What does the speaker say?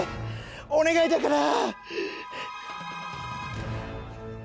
お願いだから！